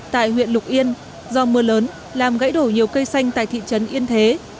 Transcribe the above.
tại huyện lục yên do mưa lớn làm gãy đổ nhiều cây xanh tại thị trấn yên thế